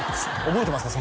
覚えてますか？